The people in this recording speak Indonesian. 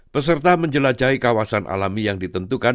peserta menjelajahi kawasan alami yang ditentukan